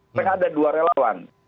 tapi ada dua relawan